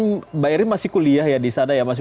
mbak erin masih kuliah ya di sada ya masih